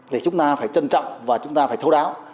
để chúng ta phải trân trọng và chúng ta phải thấu đáo